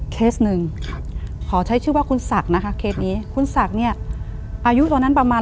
คุณศักดิ์เนี่ยอายุตอนนั้นประมาณ